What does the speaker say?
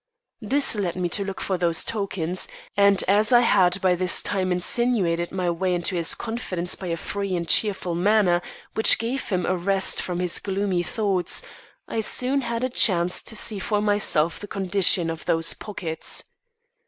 "This led me to look for those tokens; and as I had by this time insinuated my way into his confidence by a free and cheerful manner which gave him a rest from his gloomy thoughts, I soon had a chance to see for myself the condition of those pockets.